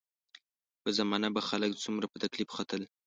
یوه زمانه به خلک څومره په تکلیف ختل.